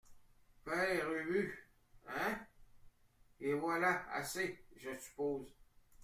Père Ubu Eh ! en voilà assez, je suppose.